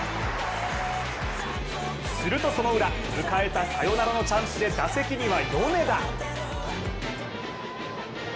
するとそのウラ、迎えたサヨナラのチャンスで打席には米田。